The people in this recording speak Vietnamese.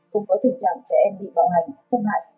không có tình trạng trẻ em bị bạo hành xâm hại